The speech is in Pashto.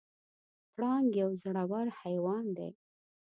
پړانګ یو زړور حیوان دی.